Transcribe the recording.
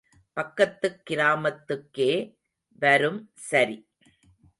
பக்கத்துக் கிராமத்துக்கே வரும் சரி.